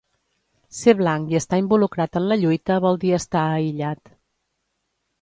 Ser blanc i estar involucrat en la lluita vol dir estar aïllat.